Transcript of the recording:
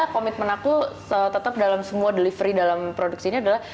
komitmen aku tetap dalam semua delivery dalam produksinya adalah